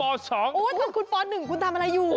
โอ้ท่านคุณป๑คุณทำอะไรอยู่